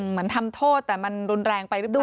เหมือนทำโทษแต่มันรุนแรงไปหรือเปล่า